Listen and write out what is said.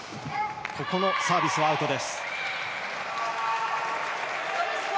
サービスはアウトです。